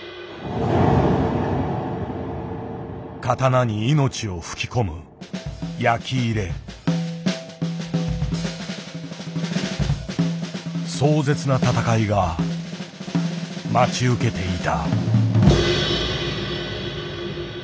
刀に命を吹き込む壮絶な闘いが待ち受けていた。